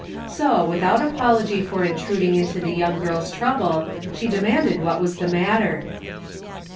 So, with out apology for intruding into the young girl's trouble, she demanded what was the matter.